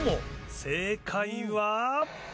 正解は。